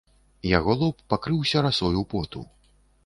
Яго лоб пакрыўся расою поту.